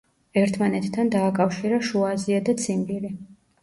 ერთმანეთთან დააკავშირა შუა აზია და ციმბირი.